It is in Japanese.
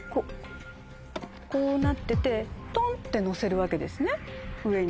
こうなっててトンって乗せるわけですね上に。